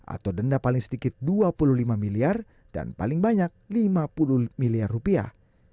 atau denda paling sedikit dua puluh lima miliar dan paling banyak lima puluh miliar rupiah